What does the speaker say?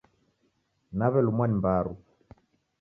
Naw'elumwa ni mbaru.